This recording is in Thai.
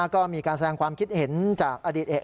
ก็มีการแสดงความคิดเห็นจากอดีตเอก